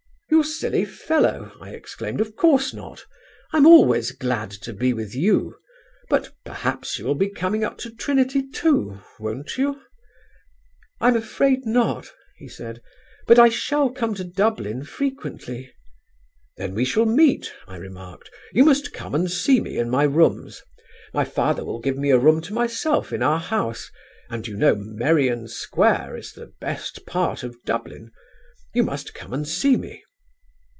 "'You silly fellow,' I exclaimed, 'of course not; I'm always glad to be with you: but perhaps you will be coming up to Trinity too; won't you?' "'I'm afraid not,' he said, 'but I shall come to Dublin frequently.' "'Then we shall meet,' I remarked; 'you must come and see me in my rooms. My father will give me a room to myself in our house, and you know Merrion Square is the best part of Dublin. You must come and see me.'